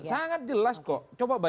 sangat jelas kok coba